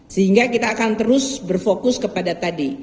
sehingga kita akan terus berfokus kepada tadi